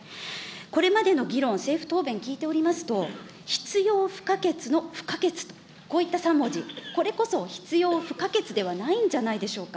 これまでの議論、政府答弁聞いておりますと、必要不可欠の不可欠と、こういった３文字、これこそ必要不可欠ではないんじゃないでしょうか。